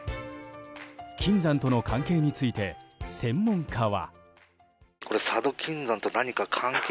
金山との関係について専門家は。